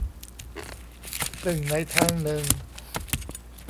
ซึ่งในทางหนึ่ง